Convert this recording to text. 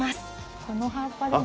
この葉っぱでも。